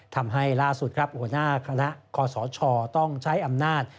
ทำให้ล่าสุดครับหัวหน้าคณะคอสชต้องใช้อำนาจ